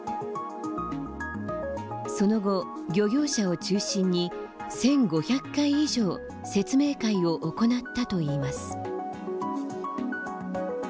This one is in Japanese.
その後、漁業者を中心に１５００回以上説明会を行ったといいます。